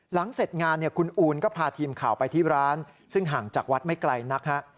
เสร็จงานคุณอูนก็พาทีมข่าวไปที่ร้านซึ่งห่างจากวัดไม่ไกลนักฮะ